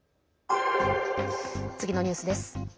次のニュースです。